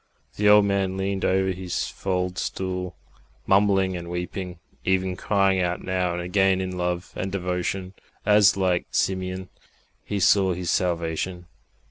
The old man leaned over his fald stool, mumbling and weeping, even crying out now and again in love and devotion, as, like Simeon, he saw his Salvation.